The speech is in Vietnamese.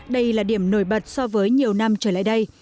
đây là điểm nổi bật so với nhiều năm trở lại đây